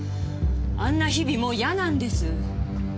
あんな日々もう嫌なんです。